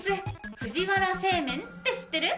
藤原製麺って知ってる？